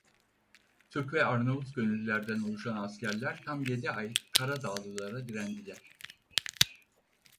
Türk ve Arnavut gönüllülerden oluşan askerler tam yedi ay Karadağlılara direndiler.